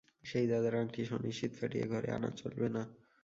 সেই দাদার আংটি শনির সিঁধকাঠি– এ ঘরে আনা চলবে না।